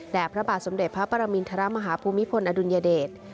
และพระบาทสมเด็จพระปรมินทรมาฮภูมิพลอดุลยเดช